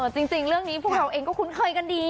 จริงเรื่องนี้พวกเราเองก็คุ้นเคยกันดี